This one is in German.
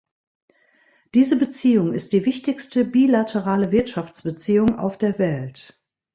Diese Beziehung ist die wichtigste bilaterale Wirtschaftsbeziehung auf der Welt.